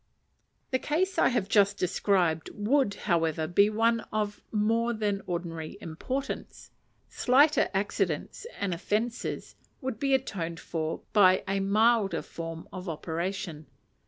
The case I have just described would, however, be one of more than ordinary importance; slighter "accidents and offences" would be atoned for by a milder form of operation.